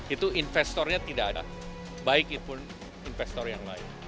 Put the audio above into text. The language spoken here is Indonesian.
itu investornya tidak ada baik itu investor yang lain